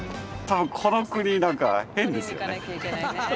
この国、なんか変ですよね。